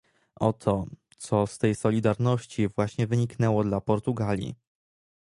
Oto, co z tej solidarności właśnie wyniknęło dla Portugalii